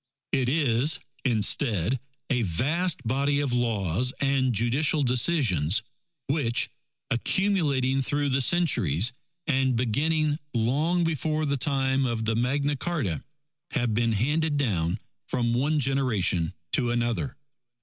It is, instead, a vast body of laws and judicial decisions, which, accumulating through the centuries, and beginning long before the time of the Magna Carta, have been handed down from one generation to another.